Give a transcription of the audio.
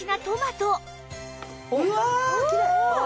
うわあきれい。